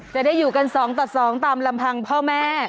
จะได้อยู่กัน๒ต่อ๒ตามลำพังพ่อแม่